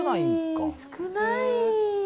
少ない。